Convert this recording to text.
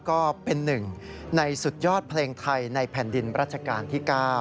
ก็เป็นหนึ่งสุดยอดเพลงไทยในพันธ์ดินราชกาลที่๖